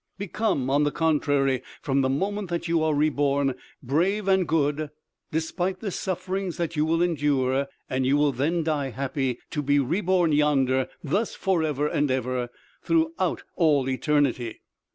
Become, on the contrary, from the moment that you are re born, brave and good, despite the sufferings that you will endure and you will then die happy, to be re born yonder, thus forever and ever, through all eternity!!!'"